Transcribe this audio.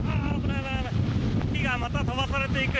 木がまた飛ばされていく。